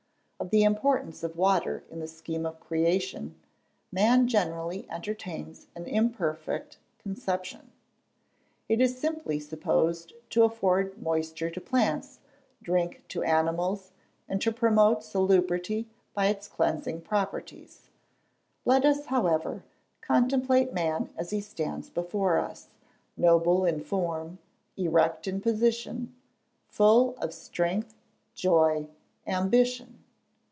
Of the importance of Water in the scheme of creation, man generally entertains an imperfect conception. It is simply supposed to afford moisture to plants, drink to animals, and to promote salubrity by its cleansing properties. Let us, however, contemplate man as he stands before us, noble in form, erect in position, full of strength, joy, ambition.